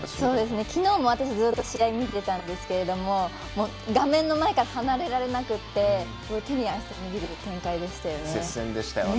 きのうも私ずっと試合見てたんですけど画面の前から離れられなくて手に汗握る展開でしたよね。